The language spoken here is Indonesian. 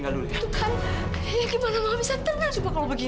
nggak ada dewi